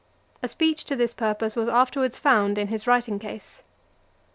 A speech to this purpose was afterwards found in his writing case.